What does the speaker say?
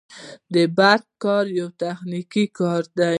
د برق کاري یو تخنیکي کار دی